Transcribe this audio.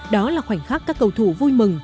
đó là khoảnh khắc các cầu thủ vui mừng